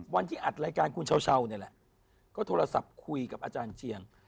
วันที่อัดรายการคุณเช้าเนี่ยแหละก็โทรศัพท์คุยกับอาจารย์เชียง